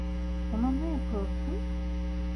Ona ne yapıyorsun?